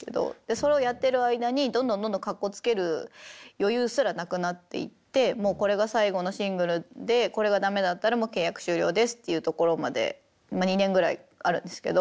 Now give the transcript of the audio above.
それをやってる間にどんどんどんどんかっこつける余裕すらなくなっていってもうこれが最後のシングルでこれがダメだったら契約終了ですっていうところまでまあ２年ぐらいあるんですけど。